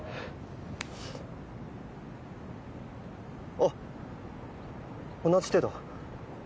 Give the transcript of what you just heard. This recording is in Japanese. あっ同じ手だ。